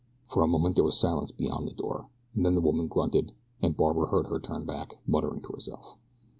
For a moment there was silence beyond the door, and then the woman grunted, and Barbara heard her turn back, muttering to herself.